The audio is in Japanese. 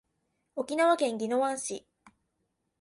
沖縄県宜野湾市